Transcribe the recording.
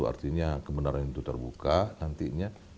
artinya kebenaran itu terbuka nantinya